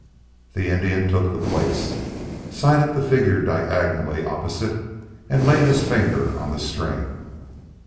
The Indian took the place, sighted the figure diagonally opposite and laid his finger on the string.